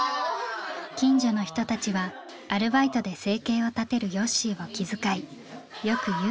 近所の人たちはアルバイトで生計を立てるよっしーを気遣いよく夕飯に誘ってくれます。